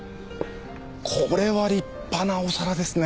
これは立派なお皿ですねえ！